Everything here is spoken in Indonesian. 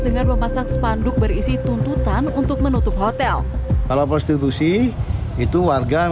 dengan memasak spanduk berisi tuntutan untuk menutup hotel kalau prostitusi itu warga